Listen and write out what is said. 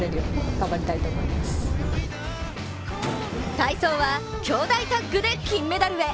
体操は兄弟タッグで金メダルへ。